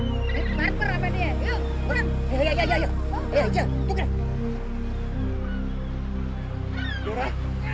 itu besinya yang bahaya